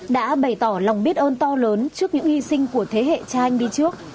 đã bày tỏ lòng biết ơn to lớn trước những hy sinh của thế hệ cha anh đi trước